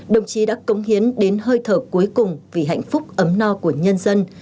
đồng chí đã cống hiến đến hơi thở cuối cùng vì hạnh phúc ấm no của nhân dân